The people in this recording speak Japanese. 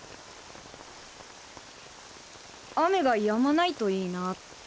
雨がやまないといいなって。